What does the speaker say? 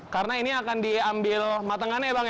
karena ini akan diambil matangannya ya bang